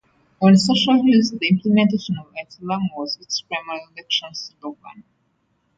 On social views, the implementation of Islam was its primary election slogan.